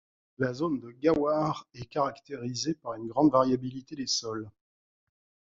La zone de Gawar est caractérisée par une grande variabilité des sols.